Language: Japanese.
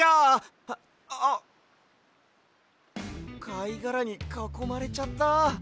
かいがらにかこまれちゃった。